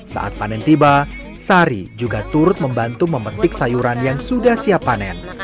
saat panen tiba sari juga turut membantu memetik sayuran yang sudah siap panen